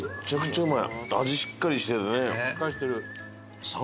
しっかりしてる。